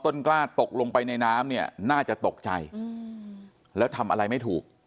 กล้าตกลงไปในน้ำเนี่ยน่าจะตกใจแล้วทำอะไรไม่ถูก